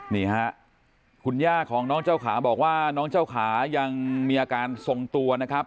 นี่ฮะคุณย่าของน้องเจ้าขาบอกว่าน้องเจ้าขายังมีอาการทรงตัวนะครับ